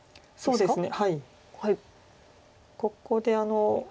そうですね。